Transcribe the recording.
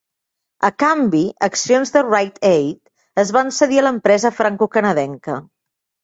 A canvi, accions de Rite Aid es van cedir a l'empresa francocanadenca.